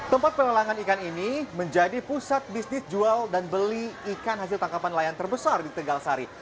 tempat pelelangan ikan ini menjadi pusat bisnis jual dan beli ikan hasil tangkapan layan terbesar di tegal sari